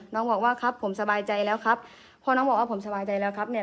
น้องบอกว่าครับผมสบายใจแล้วครับพ่อน้องบอกว่าผมสบายใจแล้วครับเนี่ย